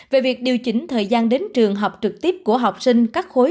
về việc điều chỉnh thời gian đến trường học trực tiếp của học sinh các khối